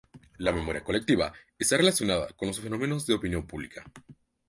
La memoria colectiva está relacionada con fenómenos de opinión pública.